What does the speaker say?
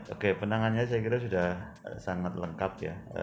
oke penangannya saya kira sudah sangat lengkap ya